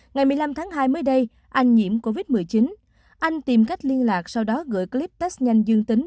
ngày một mươi năm tháng hai mới đây anh nhiễm covid một mươi chín anh tìm cách liên lạc sau đó gửi clip test nhanh dương tính